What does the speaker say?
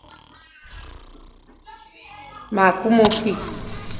Ma kumu ki.